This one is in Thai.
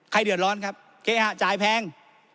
เดือดร้อนครับเคหะจ่ายแพง